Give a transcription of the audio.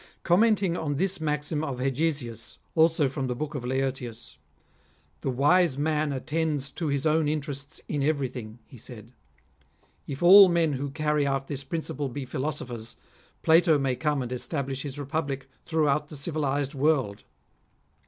Commenting on this maxim of Hegesias, also from the book of Laertius, " The wise man attends to his own interests in everything," he said :" If all men who carry out this principle be philosophers, Plato may come and establish his republic throughout the civilised world."